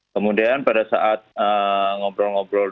kemudian pada saat ngobrol ngobrol